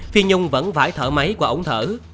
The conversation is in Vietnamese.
phi nhung vẫn vải thở máy qua ổng thở